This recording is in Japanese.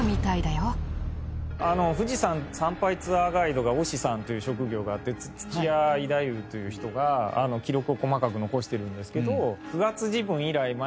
富士山参拝ツアーガイドが御師さんという職業があって土屋伊太夫という人が記録を細かく残しているんですけど。